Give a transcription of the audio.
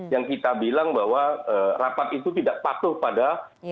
yang kita bilang bahwa rapat itu tidak patuh pada